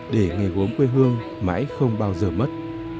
để nghề gốm quê hương mãi không bao giờ mất